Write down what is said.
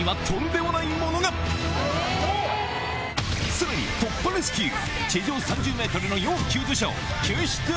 さらに突破レスキュー！